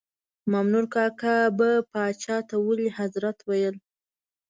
مامنور کاکا به پاچا ته ولي حضرت ویل.